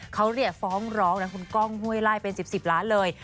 เขาเรียกฟอร์มร้องนะคุณกล้องห่วยไล่เป็น๑๐สิบล้านเลย